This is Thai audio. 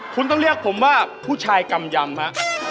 คุณต้องเรียกผมว่าผู้ชายกำยำฮะ